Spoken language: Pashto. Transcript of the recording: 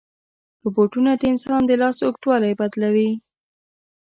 روبوټونه د انسان د لاس اوږدوالی بدلوي.